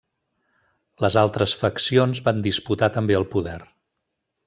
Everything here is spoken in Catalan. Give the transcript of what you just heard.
Les altres faccions van disputar també el poder.